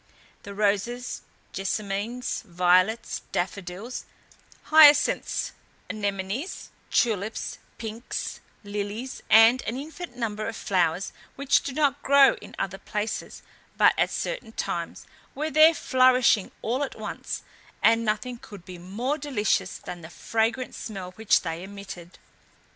The roses, jessamines, violets, daffodils, hyacinths, anemonies, tulips, pinks, lilies, and an infinite number of flowers, which do not grow in other places but at certain times, were there flourishing all at once, and nothing could be more delicious than the fragrant smell which they emitted.